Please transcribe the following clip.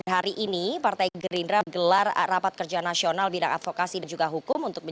hari ini partai gerindra gelar rapat kerja nasional bidang advokasi dan juga hukum